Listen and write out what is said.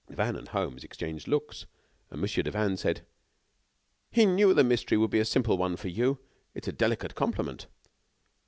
Devanne and Holmes exchanged looks, and Mon. Devanne said: "He knew the mystery would be a simple one for you. It is a delicate compliment."